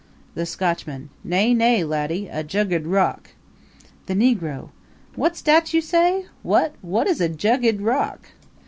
THE SCOTCHMAN Nay, nay, laddie a jugged rock. THE NEGRO Whut's dat you say? Whut whut is a jugged rock?